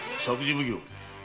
奉行・